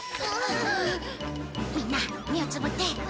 みんな目をつぶって。